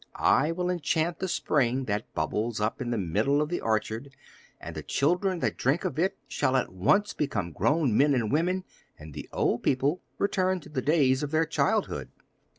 I will enchant the spring that bubbles up in the middle of the orchard, and the children that drink of it shall at once become grown men and women, and the old people return to the days of their childhood.